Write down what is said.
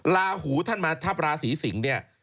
ลาหูท่านมาทับราศีสิงศ์เนี่ย